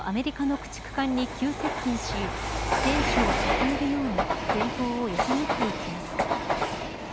中央のアメリカの駆逐艦に急接近し船首をかすめるように前方を横切っていきます。